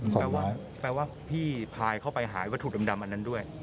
แปลว่าแปลว่าพี่พายเข้าไปหาวัตถุดำอันนั้นด้วย